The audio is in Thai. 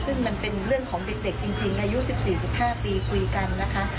ซึ่งมันเป็นเรื่องของเด็กจริงอายุ๑๔๑๕ปีคุยกันนะคะ